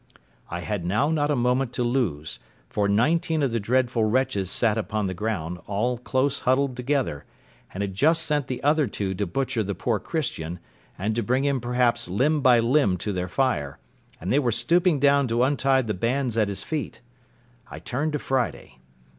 I had now not a moment to lose, for nineteen of the dreadful wretches sat upon the ground, all close huddled together, and had just sent the other two to butcher the poor Christian, and bring him perhaps limb by limb to their fire, and they were stooping down to untie the bands at his feet. I turned to Friday.